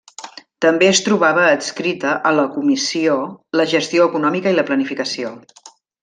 També es trobava adscrita a la Comissió la gestió econòmica i la planificació.